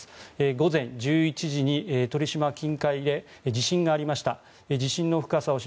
午前１１時に鳥島近海で地震がありました。